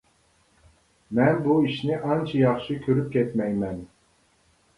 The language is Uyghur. مەن بۇ ئىشنى ئانچە ياخشى كۆرۈپ كەتمەيمەن.